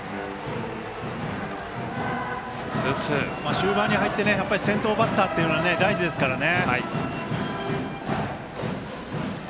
終盤に入って先頭バッターというのは大事ですからね。